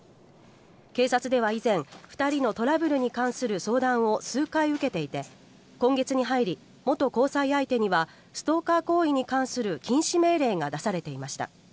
警察では以前２人のトラブルに関する相談を数回受けていて今月に入り、元交際相手にはストーカー行為に関する禁止命令が出されていました。